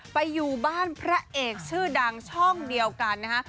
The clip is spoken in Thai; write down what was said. ไปอยู่บ้านพระเอกชื่อดังช่องเดียวกันนะฮะ